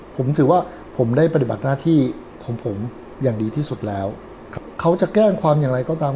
ผมถือว่าผมได้ปฏิบัติหน้าที่ของผมอย่างดีที่สุดแล้วเขาจะแจ้งความอย่างไรก็ตาม